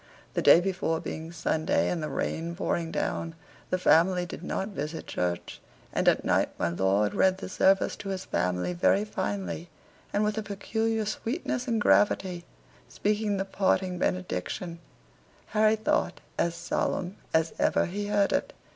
The day before being Sunday, and the rain pouring down, the family did not visit church; and at night my lord read the service to his family very finely, and with a peculiar sweetness and gravity speaking the parting benediction, Harry thought, as solemn as ever he heard it.